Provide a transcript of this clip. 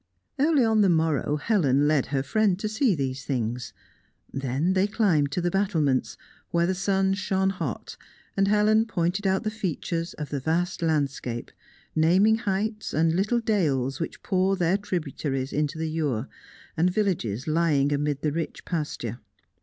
Early on the morrow Helen led her friend to see these things. Then they climbed to the battlements, where the sun shone hot, and Helen pointed out the features of the vast landscape, naming heights, and little dales which pour their tributaries into the Ure, and villages lying amid the rich pasture.